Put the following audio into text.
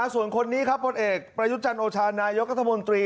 ส่วนคนนี้ครับผลเอกประยุทธ์จันทร์โอชานายกรัฐมนตรี